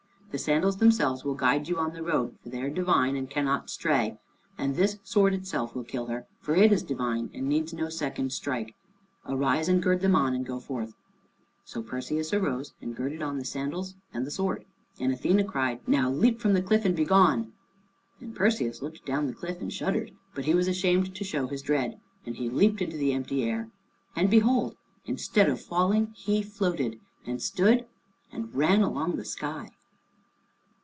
The sandals themselves will guide you on the road, for they are divine and cannot stray, and this sword itself will kill her, for it is divine and needs no second stroke. Arise and gird them on, and go forth." So Perseus arose, and girded on the sandals and the sword. And Athene cried, "Now leap from the cliff and be gone!" Then Perseus looked down the cliff and shuddered, but he was ashamed to show his dread, and he leaped into the empty air. And behold! instead of falling, he floated, and stood, and ran along the sky.